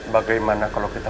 bagaimana kalau kita